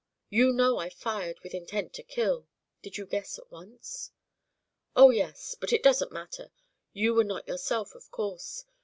You know I fired with intent to kill. Did you guess at once?" "Oh, yes. But it doesn't matter. You were not yourself, of course.